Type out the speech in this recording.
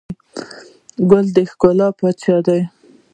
ګل د ښکلا پاچا دی.